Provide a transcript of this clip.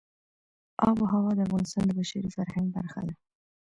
آب وهوا د افغانستان د بشري فرهنګ برخه ده.